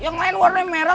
yang lain warnanya merah